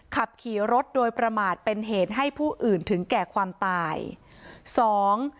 ขับขี่รถโดยประมาทเป็นเหตุให้ผู้อื่นถึงแก่ความตายสอง